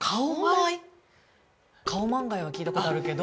カオマンガイは聞いた事あるけど。